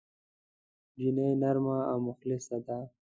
نجلۍ نرمه او مخلصه ده.